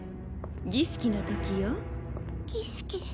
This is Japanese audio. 儀式の時よ儀式？